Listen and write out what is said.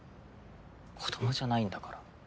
子供じゃないんだから。